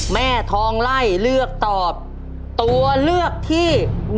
แม่ทองไล่เลือกตอบตัวเลือกที่๑